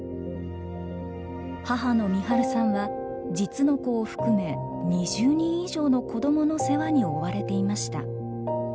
母の美春さんは実の子を含め２０人以上の子どもの世話に追われていました。